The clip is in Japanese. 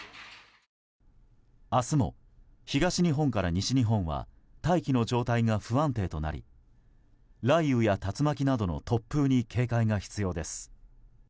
明日も東日本から西日本は大気の状態が不安定となり雷雨や竜巻などの突風に警戒が必要です。